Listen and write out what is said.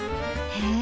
へえ！